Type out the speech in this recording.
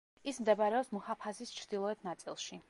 ის მდებარეობს მუჰაფაზის ჩრდილოეთ ნაწილში.